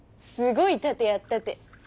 すごい殺陣やったて。